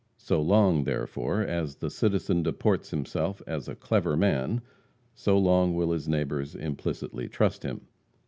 So long, therefore, as the citizen deports himself as "a clever man," so long will his neighbors implicitly trust him.